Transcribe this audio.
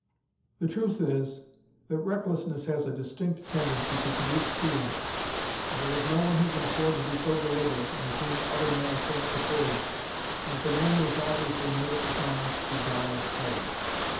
The truth is, that recklessness has a distinct tendency to produce coolness. And there is no one who can afford to be so deliberate, and of whom other men are so much afraid, as the man who has obviously made up his mind to die fighting.